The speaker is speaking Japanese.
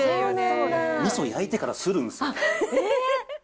みそ焼いてからするんですよ。